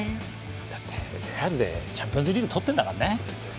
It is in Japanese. だってレアルでチャンピオンズリーグ取ってるんだよ。